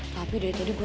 pass deny juga